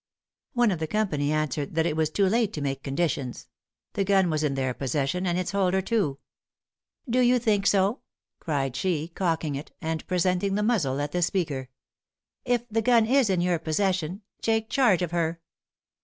One of the company answered that it was too late to make conditions; the gun was in their possession, and its holder, too. "Do you think so," cried she, cocking it, and presenting the muzzle at the speaker. "If the gun is in your possession, _take charge of her!